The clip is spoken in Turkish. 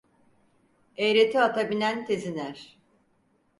Eğreti ata binen tez iner.